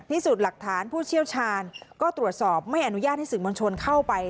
พิสูจน์หลักฐานผู้เชี่ยวชาญก็ตรวจสอบไม่อนุญาตให้สื่อมวลชนเข้าไป